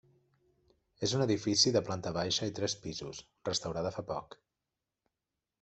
És un edifici de planta baixa i tres pisos, restaurada fa poc.